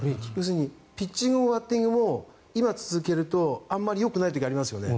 ピッチングもバッティングも今、続けるとあまりよくない時ありますよね。